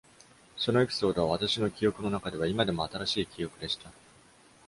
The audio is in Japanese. そのエピソードは私の記憶のなかでは、今でも新しい記憶でした。